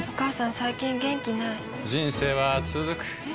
最近元気ない人生はつづくえ？